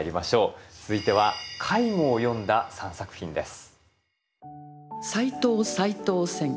続いては介護を詠んだ３作品です。